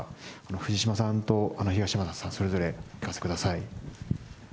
藤島さんと東山さん、それぞれお聞かせください。